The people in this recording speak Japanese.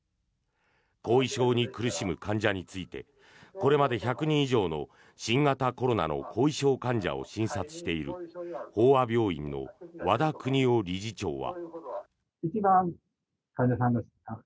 後遺症に苦しむ患者についてこれまで１００人以上の新型コロナの後遺症患者を診察している邦和病院の和田邦雄理事長は。